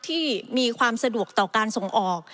ที่มีความสะดวกต่อการส่งออก